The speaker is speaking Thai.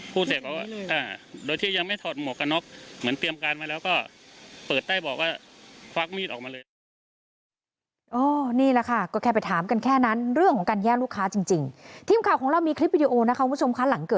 พูดเสร็จเขาว่าโดยที่ยังไม่ถอดหมวกกระน็อค